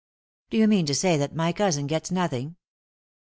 " Do you mean to say that my cousin gets nothing